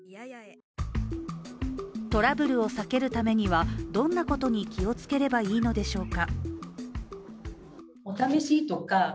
トラブルを避けるためには、どんなことに気をつければいいのでしょうか。